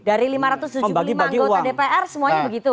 dari lima ratus tujuh puluh lima anggota dpr semuanya begitu